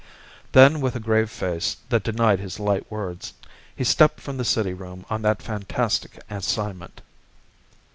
Then, with a grave face that denied his light words, he stepped from the city room on that fantastic assignment.